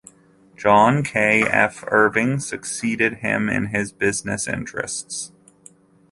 John K. F. Irving succeeded him in his business interests.